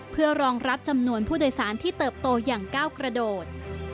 เพื่อรองรับจำนวนผู้โดยสารที่เติบโตอย่างก้าวกระโดด